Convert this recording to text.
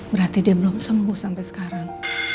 berarti dia belum sembuh sampai sekarang